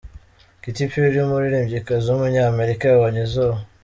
Katy Perry, umuririmbyikazi w’umunyamerika yabonye izuba.